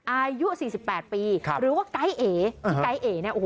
อายุ๔๘ปีหรือว่าไกด์เอที่ไกด์เอเนี่ย